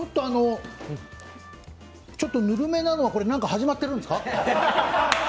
ちょっとぬるめなのは何か始まってるんですか？